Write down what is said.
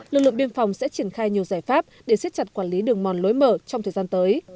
lực lượng biên phòng sẽ triển khai nhiều giải pháp để xếp chặt quản lý đường mòn lối mở trong thời gian tới